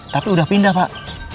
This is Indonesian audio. tapi udah pindah pak